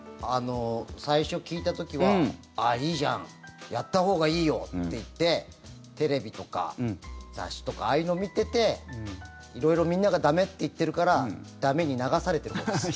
最初、聞いた時はああ、いいじゃんやったほうがいいよって言ってテレビとか雑誌とかああいうのを見てて色々、みんなが駄目って言ってるから駄目に流されてるほうです。